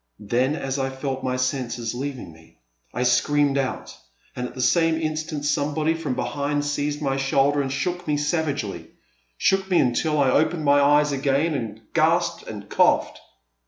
Then, as I felt my senses leaving me, I screamed out, and at the same instant somebody from be hind seized my shoulder and shook me savagely — shook me until I opened my eyes again and gasped and coughed.